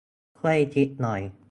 ช่วยคิดหน่อย